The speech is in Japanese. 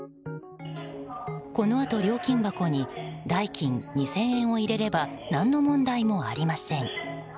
このあと、料金箱に代金２０００円を入れれば何の問題もありません。